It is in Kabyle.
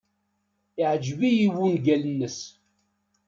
Iɛjeb-iyi wungal-nnes.